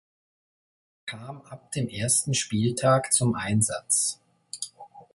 Er kam ab dem ersten Spieltag zum Einsatz.